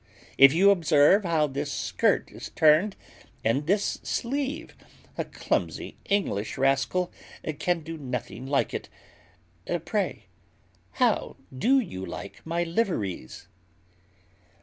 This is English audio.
If you observe how this skirt is turned, and this sleeve: a clumsy English rascal can do nothing like it. Pray, how do you like my liveries?"